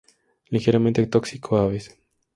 Ligeramente tóxico a aves.